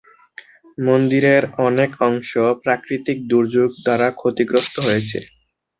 মন্দিরের অনেক অংশ প্রাকৃতিক দুর্যোগ দ্বারা ক্ষতিগ্রস্ত হয়েছে।